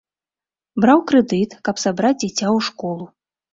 Браў крэдыт, каб сабраць дзіця ў школу.